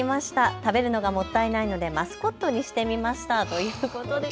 食べるのがもったいないのでマスコットにしてみましたということです。